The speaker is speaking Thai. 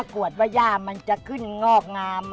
กวดว่าย่ามันจะขึ้นงอกงาม